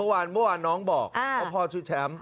เมื่อวานเมื่อวานน้องบอกว่าพ่อชื่อแชมป์